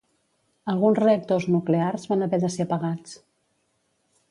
Alguns reactors nuclears van haver de ser apagats.